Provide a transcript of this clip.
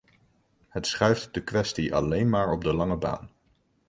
Het schuift de kwestie alleen maar op de lange baan.